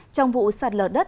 trong vụ sạt lở đất